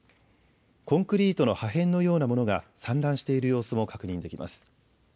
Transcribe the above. コンクリートの破片のようなものが散乱している様子も確認できます。